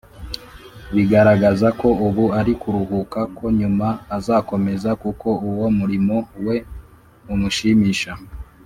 bigaragaza ko ubu ari kuruhuka ko nyuma azakomeza kuko uwo murimo we umushimisha.